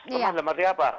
lemah lemah di apa